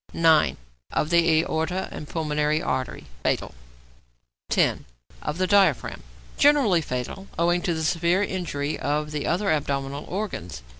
9. =Of the Aorta and Pulmonary Artery.= Fatal. 10. =Of the Diaphragm.= Generally fatal, owing to the severe injury of the other abdominal organs.